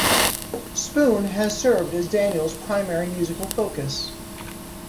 Spoon has served as Daniel's primary musical focus.